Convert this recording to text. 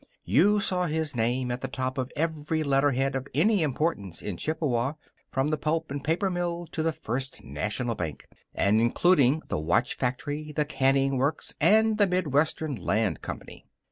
You saw his name at the top of every letterhead of any importance in Chippewa, from the Pulp and Paper Mill to the First National Bank, and including the watch factory, the canning works, and the Mid Western Land Company.